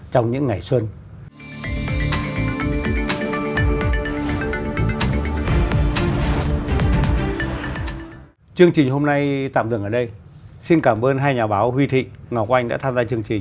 con người việt nam